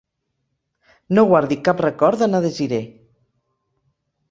No guardi cap record de na Desirée.